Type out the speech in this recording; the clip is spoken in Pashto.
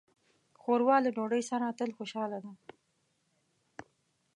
ښوروا له ډوډۍ سره تل خوشاله ده.